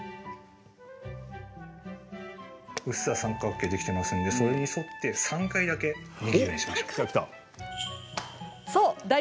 うっすら三角形できていますのでそれに沿って３回だけ握るようにしましょう。